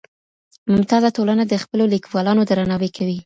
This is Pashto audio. ممتازه ټولنه د خپلو ليکوالانو درناوی کوي.